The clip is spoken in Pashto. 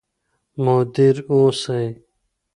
مدیر اوسئ.